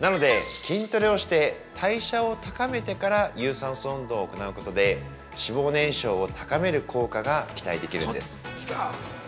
なので筋トレをして代謝を高めてから有酸素運動を行うことで、脂肪燃焼を高める効果が期待できるんです。